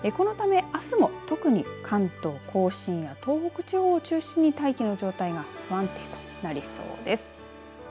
あすも関東甲信や東北地方を中心に大気の状態が不安定になりそうです。